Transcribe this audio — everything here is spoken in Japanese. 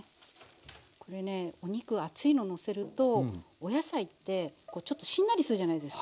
これねお肉熱いののせるとお野菜ってちょっとしんなりするじゃないですか。